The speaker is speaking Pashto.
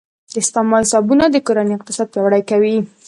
د سپما حسابونه د کورنۍ اقتصاد پیاوړی کوي.